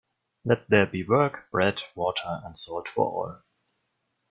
Let there be work, bread, water and salt for all.